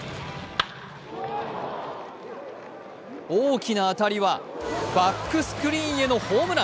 大きな当たりはバックスクリーンへのホームラン。